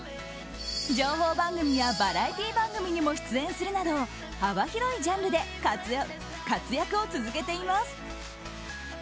情報番組やバラエティー番組にも出演するなど幅広いジャンルで活躍を続けています。